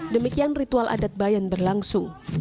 demikian ritual adat bayan berlangsung